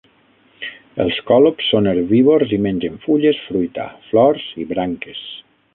Els còlobs són herbívors i mengen fulles, fruita, flors i branques.